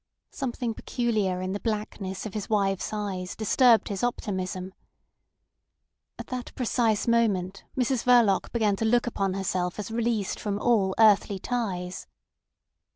Something peculiar in the blackness of his wife's eyes disturbed his optimism. At that precise moment Mrs Verloc began to look upon herself as released from all earthly ties.